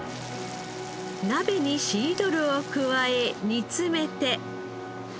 鍋にシードルを加え煮詰めて。